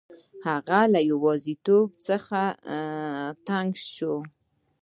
هغه له یوازیتوب څخه تنګ شو.